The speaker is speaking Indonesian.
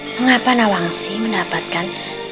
mengapa nawangsi mendapatkan